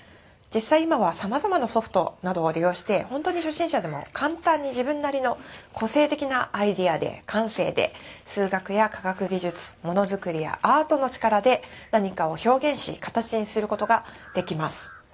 実際今はさまざまなソフトなどを利用して本当に初心者でも簡単に自分なりの個性的なアイデアで感性で数学や科学技術ものづくりやアートの力で何かを表現し形にすることができます。